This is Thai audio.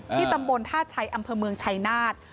ที่ตำบลท่าใช้อำเภอเมืองใช่นาฏ